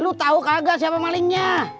lo tau kagak siapa malingnya